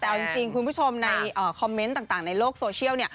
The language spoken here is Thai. แต่เอาจริงคุณผู้ชมในคอมเมนต์ต่างในโลกโซเชียล